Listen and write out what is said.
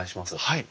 はい。